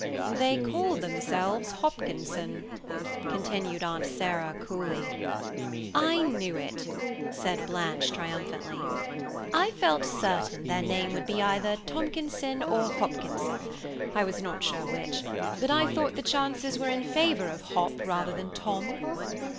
"They call themselves Hopkinson," continued Aunt Sarah coolly. "I knew it," said Blanche triumphantly. "I felt certain their name would be either Tomkinson or Hopkinson–I was not sure which–but I thought the chances were in favour of Hop rather than Tom."